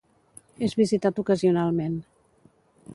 És visitat ocasionalment.